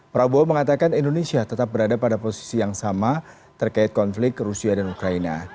prabowo mengatakan indonesia tetap berada pada posisi yang sama terkait konflik rusia dan ukraina